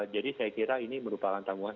jadi saya kira ini merupakan tanggungan